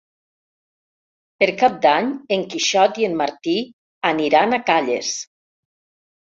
Per Cap d'Any en Quixot i en Martí aniran a Calles.